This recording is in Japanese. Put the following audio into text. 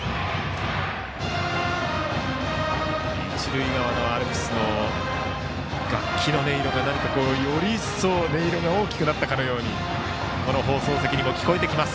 一塁側のアルプスの楽器の音色がより一層大きくなったかのようにこの放送席にも聞こえてきます